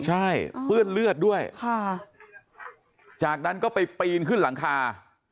ใช่เปื้อนเลือดด้วยจากนั้นก็ไปปีนขึ้นหลังคา